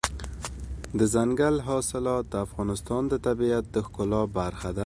دځنګل حاصلات د افغانستان د طبیعت د ښکلا برخه ده.